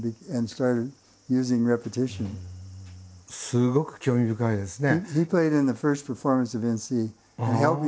すごく興味深いですね。